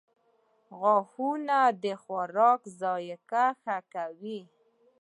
• غاښونه د خوراک ذایقه ښه کوي.